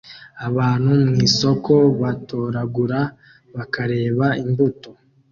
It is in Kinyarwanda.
Abantu mwisoko batoragura bakareba imbuto